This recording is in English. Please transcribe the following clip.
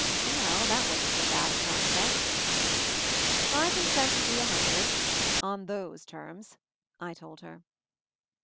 Well, that wasn't so bad a pros pect. "I consent to be a hundred — on those terms," I told her.